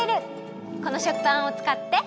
この食パンをつかって。